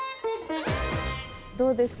どうですか？